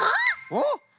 おっ？